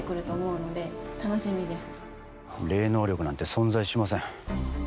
霊能力なんて存在しません。